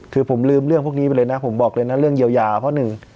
คือผมลืมเรื่องพวกนี้ไปเลยนะผมบอกเลยนะเรื่องเยียวยาข้อหนึ่ง